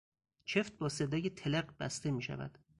چفت با صدای تلق بسته میشود.